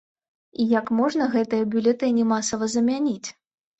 І як можна гэтыя бюлетэні масава замяніць?!